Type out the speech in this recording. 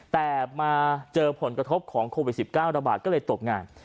แต่มาเจอผลกระทบของโควิด๑๙ระบาดก็เลยตกงาน